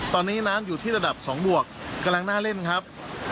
ตอนนี้น้ำอยู่ที่ระดับ๒บวกกำลังน่าเล่นครับ